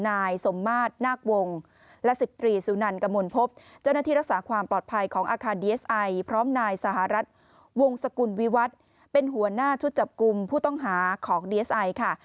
นายสมมาตรนาควงและ๑๐ตรีสุนันกระมวลพบเจ้าหน้าที่รักษาความปลอดภัยของอาคารดีเอสไอพร้อมนายสหรัฐวงสกุลวิวัตรเป็นหัวหน้าชุดจับกลุ่มผู้ต้องหาของดีเอสไอค่ะ